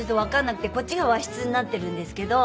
こっちが和室になってるんですけど。